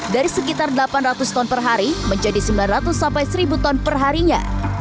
dari sekitar delapan ratus ton per hari menjadi sembilan ratus sampai seribu ton perharinya